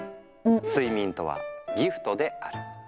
「睡眠とはギフトである」。